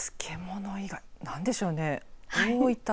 漬物以外、なんでしょうね。